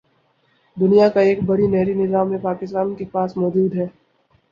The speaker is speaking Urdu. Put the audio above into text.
دنیا کا ایک بڑا نہری نظام بھی پاکستان کے پاس موجود ہے